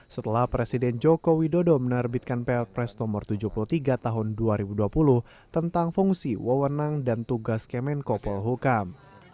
setelah presiden joko widodo menerbitkan pr press no tujuh puluh tiga tahun dua ribu dua puluh tentang fungsi wawenang dan tugas kemen kopel hukam